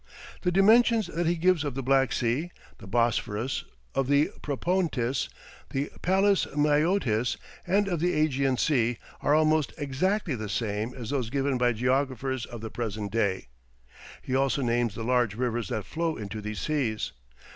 The dimensions that he gives of the Black Sea, the Bosphorus, of the Propontis, the Palus Mæotis and of the Ægean Sea, are almost exactly the same as those given by geographers of the present day. He also names the large rivers that flow into these seas.